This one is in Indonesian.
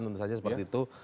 tentu saja seperti itu